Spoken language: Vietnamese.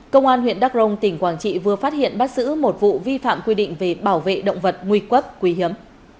công an huyện đắk rông tỉnh quảng trị vừa phát hiện bắt xử một vụ vi phạm quy định về bảo vệ động vật nguy quốc quý hiếm